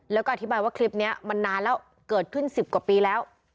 แล้วก็อธิบายว่าคลิปนี้มันนานแล้วเกิดขึ้น๑๐กว่าปีแล้ว